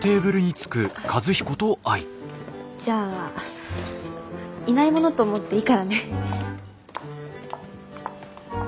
じゃあいないものと思っていいからね。